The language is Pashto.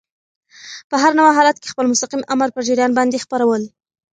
په هر نوع حالت کي خپل مستقیم آمر په جریان باندي خبرول.